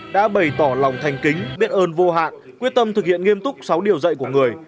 đã bày tỏ lòng thành kính biết ơn vô hạn quyết tâm thực hiện nghiêm túc sáu điều dạy của người